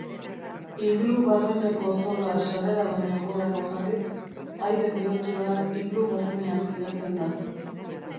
Iglu barreneko zola sarrera baino gorago jarriz, aire berotua iglu barrenean pilatzen da.